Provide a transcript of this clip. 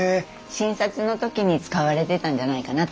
診察の時に使われてたんじゃないかなと思います。